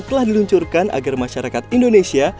telah diluncurkan agar masyarakat indonesia